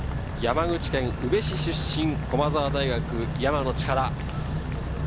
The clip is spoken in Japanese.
山口県宇部市出身、駒澤大学・山野力。